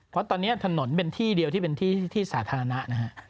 เพราะตอนนี้ถนนเป็นที่เดียวที่เป็นที่สาธารณะนะฮะ